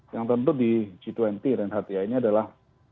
yang tentu di g dua puluh renhat ya ini adalah